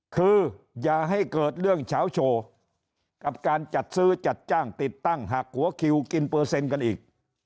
คืออย่าให้เกิดเรื่องเฉาโชว์กับการจัดซื้อจัดจ้างติดตั้งหักหัวคิวกินเปอร์เซ็นต์กันอีก